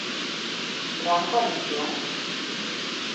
Gran Coalición?